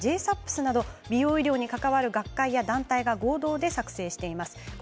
ＪＳＡＰＳなど美容医療に関わる学会や団体が合同で作っているものです。